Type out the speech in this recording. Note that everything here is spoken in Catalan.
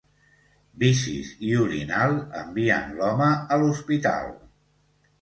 Vicis i orinal envien l'home a l'hospital.